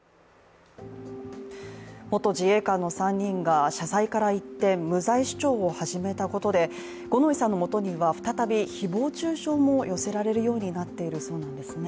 元自衛官の３人が謝罪から一転無罪主張を始めたことで、五ノ井さんのもとには再び誹謗中傷も寄せられるようになっているそうなんですね。